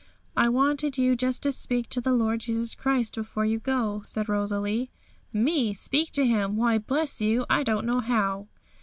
'I wanted you just to speak to the Lord Jesus Christ before you go,' said Rosalie. 'Me speak to Him! Why, bless you! I don't know how.'